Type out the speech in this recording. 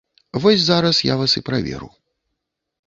Вось зараз я вас і праверу.